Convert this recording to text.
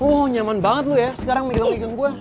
wow nyaman banget lo ya sekarang milih milih dengan gue